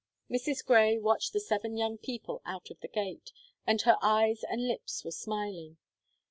Mrs. Grey watched the seven young people out of the gate, and her eyes and lips were smiling.